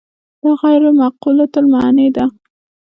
دا غیر معقولة المعنی ده.